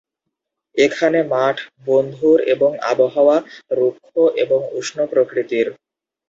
এখানে মাঠ বন্ধুর এবং আবহাওয়া রুক্ষ এবং উষ্ণ প্রকৃতির।